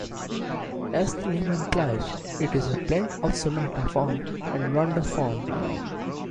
As the name implies, it is a blend of sonata form and rondo form.